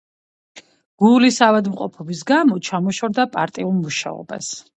გულის ავადმყოფობის გამო ჩამოშორდა პარტიულ მუშაობას.